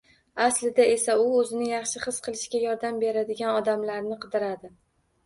Aslida esa u o‘zini yaxshi his qilishiga yordam beradigan odamlarni qidiradi.